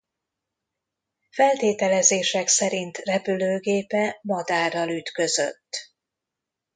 Feltételezések szerint repülőgépe madárral ütközött.